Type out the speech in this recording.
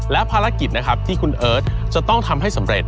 และภารกิจนะครับที่คุณเอิร์ทจะต้องทำให้สำเร็จ